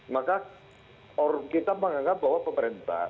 maka kita menganggap bahwa pemerintah